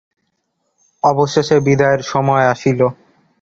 অবশেষে বিদায়ের সময় আসিল।